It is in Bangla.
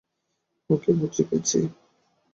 ওকে বুঝে গেছি।